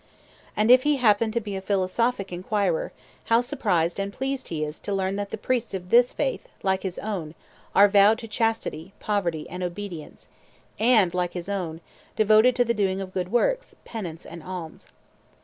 And if he happen to be a philosophic inquirer, how surprised and pleased is he to learn that the priests of this faith (like his own) are vowed to chastity, poverty, and obedience, and, like his own, devoted to the doing of good works, penance, and alms.